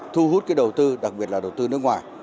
thu hút cái đầu tư đặc biệt là đầu tư nước ngoài